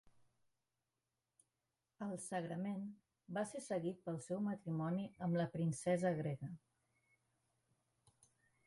El sagrament va ser seguit pel seu matrimoni amb la princesa grega.